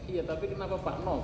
iya tapi kenapa pak no